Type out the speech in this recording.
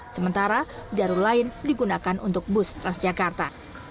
sementara jalur lain digunakan untuk bus transjakarta